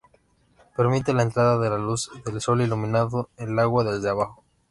Permite la entrada de la luz del sol iluminando el agua desde abajo.